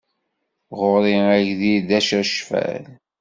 Ɣur-i agdil d acacfal.